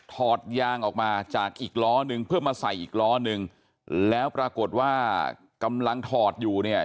อดยางออกมาจากอีกล้อนึงเพื่อมาใส่อีกล้อนึงแล้วปรากฏว่ากำลังถอดอยู่เนี่ย